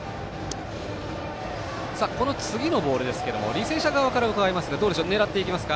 この次のボールですけど履正社側からうかがいますが狙っていきますか